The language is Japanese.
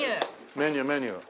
メニューメニュー。